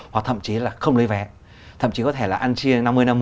hoặc thậm chí là không lấy vé thậm chí có thể là ăn chia năm mươi năm mươi